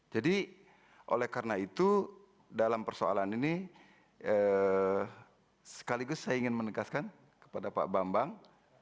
jadi oleh karena itu dalam persoalan ini sekaligus saya ingin menegaskan kepada pak bambang